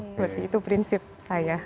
seperti itu prinsip saya